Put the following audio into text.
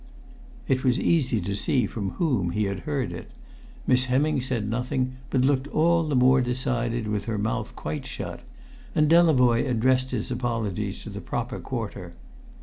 It was easy to see from whom he had heard it. Miss Hemming said nothing, but looked all the more decided with her mouth quite shut. And Delavoye addressed his apologies to the proper quarter.